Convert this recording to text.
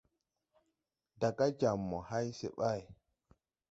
Daga jam mo hay se ɓay.